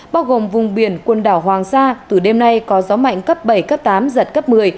bao gồm vùng biển quần đảo hoàng sa từ đêm nay có gió mạnh cấp bảy cấp tám giật cấp một mươi